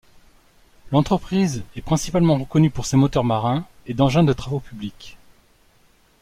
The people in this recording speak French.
L'entreprise est principalement reconnue pour ses moteurs marins et d'engins de travaux publics.